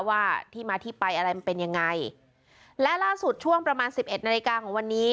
ว่าที่มาที่ไปอะไรมันเป็นยังไงและล่าสุดช่วงประมาณสิบเอ็ดนาฬิกาของวันนี้